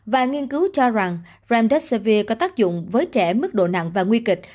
và nghiên cứu cho rằng franddussivir có tác dụng với trẻ mức độ nặng và nguy kịch